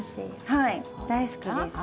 はい大好きです。